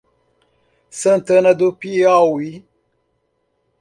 Santana do Piauí